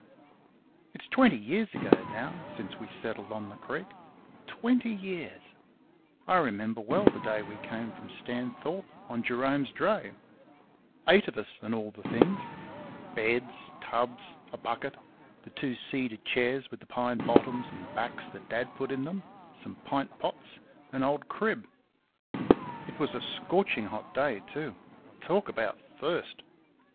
It's twenty years ago now since we settled on the Creek. Twenty years! I remember well the day we came from Stanthorpe, on Jerome's dray eight of us, and all the things beds, tubs, a bucket, the two cedar chairs with the pine bottoms and backs that Dad put in them, some pint pots and old Crib. It was a scorching hot day, too talk about thirst!